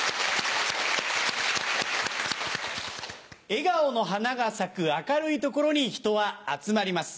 笑顔の花が咲く明るいところに人は集まります。